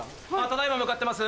ただ今向かってます